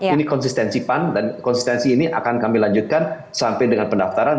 ini konsistensi pan dan konsistensi ini akan kami lanjutkan sampai dengan pendaftaran